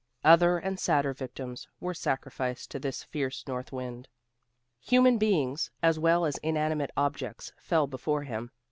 Other and sadder victims were sacrificed to this fierce north wind. Human beings as well as inanimate objects fell before him.